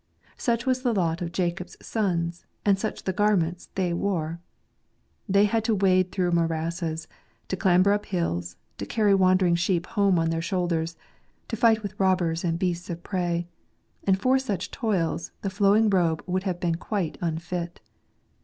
Such was the lot of Jacob's sons, and such the garments they wore. They had to wade through morasses, to clamber up hills, to carry wandering sheep home on their shoulders, to fight with robbers and beasts of prey ; and for such toils the flowing robe would have been quite unfit.